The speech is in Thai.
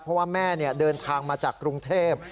เพราะว่าแม่เดินทางมาจากกรุงเทพ